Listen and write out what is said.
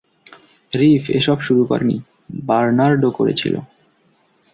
Reef এসব শুরু করেনি, বার্নার্ডো করেছিল।